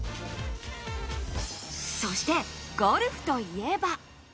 そしてゴルフといえば。